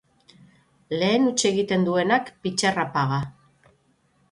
Lehen huts egiten duenak, pitxerra paga.